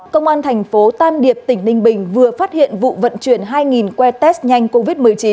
công an thành phố tam điệp tỉnh ninh bình vừa phát hiện vụ vận chuyển hai quay test nhanh covid một mươi chín